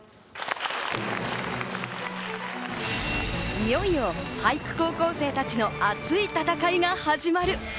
いよいよ俳句高校生たちの熱い戦いが始まる。